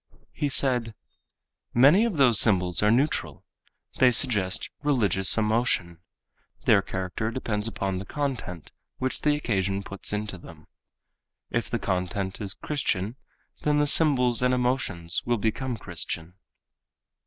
He said, "Many of those symbols are neutral. They suggest religious emotion. Their character depends upon the content which the occasion puts into them. If the content is Christian then the symbols and emotions will become Christian."